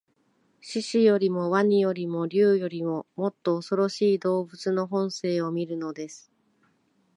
獅子よりも鰐よりも竜よりも、もっとおそろしい動物の本性を見るのです